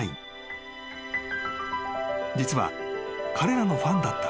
［実は彼らのファンだった２人］